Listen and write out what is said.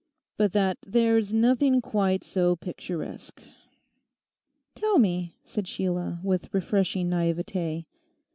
But that there's nothing quite so picturesque.' 'Tell me,' said Sheila, with refreshing naivete.